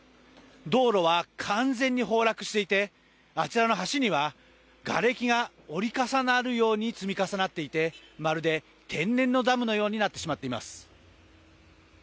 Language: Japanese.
道路は完全に崩落していて、あちらの橋にはがれきが折り重なるように積み重なっていて、まるで天然のダムのようになってしまっています。